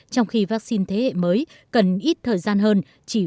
trong khi vaccine thế hệ mới cần ít thời gian hơn